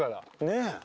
ねえ。